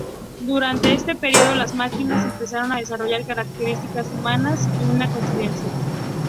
Durante este periodo las máquinas empezaron a desarrollar características humanas y una conciencia.